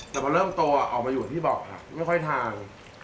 แต่พอเริ่มโตออกมาอย่างที่บอกครับไม่ค่อยทาน